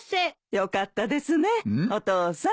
よかったですねお父さん。